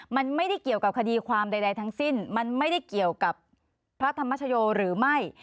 มันไม่ได้เกี่ยวกับคดีความใดทั้งสิ้นมันไม่ได้เกี่ยวกับพระธรรมชโยหรือไม่